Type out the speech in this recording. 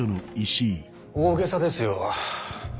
大げさですよ。